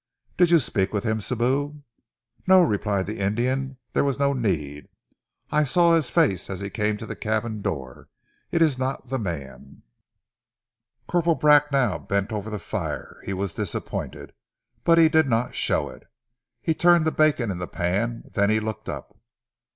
"Did you speak with him, Sibou?" "No," replied the Indian. "There was no need. I saw his face as he came to the cabin door. It is not the man." Corporal Bracknell bent over the fire. He was disappointed, but he did not show it. He turned the bacon in the pan then he looked up.